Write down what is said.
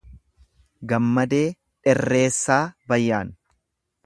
Gammadee Dherreessaa Bayaan